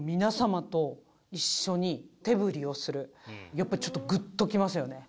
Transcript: やっぱりちょっとグッときますよね。